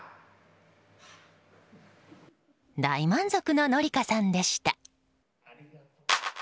大満足の紀香さんでした。